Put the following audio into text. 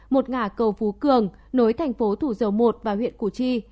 một ngả cầu phú cường nối thành phố thủ dầu một và huyện củ chi